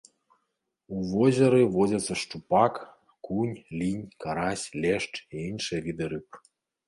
У возеры водзяцца шчупак, акунь, лінь, карась, лешч і іншыя віды рыб.